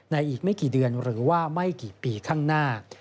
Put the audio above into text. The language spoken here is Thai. อีกไม่กี่เดือนหรือว่าไม่กี่ปีข้างหน้า